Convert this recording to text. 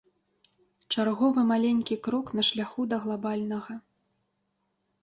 Чарговы маленькі крок на шляху да глабальнага.